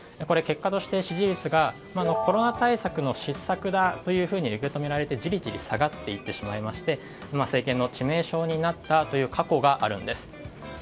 結果として支持率がコロナ対策の失策だと受け止められてじりじり下がってしまいまして政権の致命傷になったという過去があるんです。